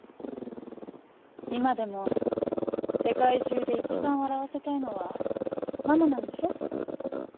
今でも世界中で一番笑わせたいのはママなんでしょ？